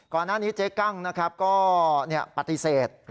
ก่อนหน้านี้เจ๊กั้งนะครับก็ปฏิเสธ